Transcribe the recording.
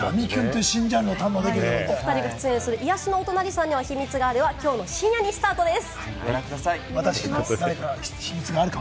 おふたりが出演する『癒やしのお隣さんには秘密がある』はきょう深夜スタートです。